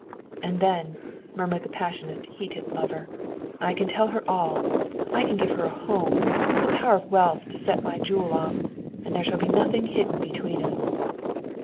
"And then," murmured the passionate, heated lover, "I can tell her all. I can give her a home, the power of wealth to set my jewel off, and there shall be nothing hidden between us."